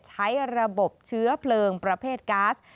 ใช้ระบบเชื้อเพลิงประเภทก๊าซ